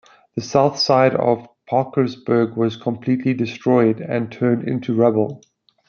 The south side of Parkersburg was completely destroyed and turned into rubble.